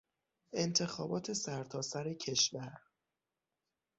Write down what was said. انتخابات سرتاسر کشور